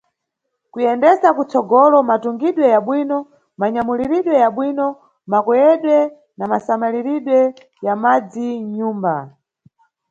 Kuyendesa kutsogolo matungidwe yabwino, manyamulidwe yabwino, makoyedwe na masamaliridwe ya madzi nʼnyumba.